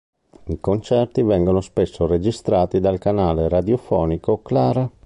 I concerti vengono spesso registrati dal canale radiofonico Klara.